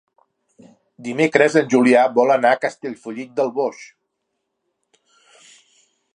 Dimecres en Julià vol anar a Castellfollit del Boix.